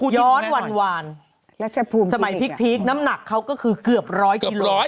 ย้อนหวานสมัยพลิกน้ำหนักเขาก็คือเกือบร้อยกิโลกรัม